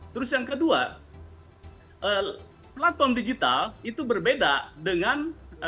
terus yang kedua platform digital itu berbeda dengan